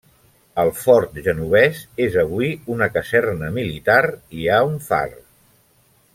El fort genovès és avui una caserna militar i hi ha un far.